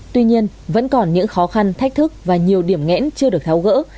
tuy nhiên vẫn còn những khó khăn thách thức và nhiều điểm ngẽn chưa được tháo gỡ